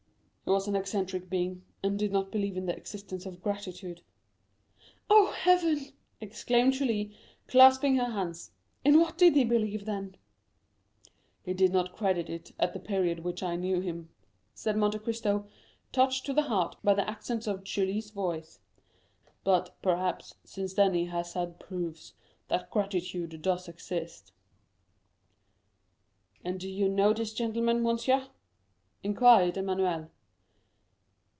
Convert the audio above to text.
"He was an eccentric being, and did not believe in the existence of gratitude." "Oh, Heaven," exclaimed Julie, clasping her hands, "in what did he believe, then?" 30047m "He did not credit it at the period which I knew him," said Monte Cristo, touched to the heart by the accents of Julie's voice; "but, perhaps, since then he has had proofs that gratitude does exist." "And do you know this gentleman, monsieur?" inquired Emmanuel.